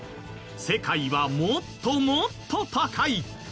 世界はもっともっと高い！